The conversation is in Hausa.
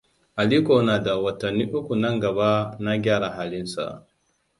Aliko na da watanni uku nan gaba na gyara halin sa.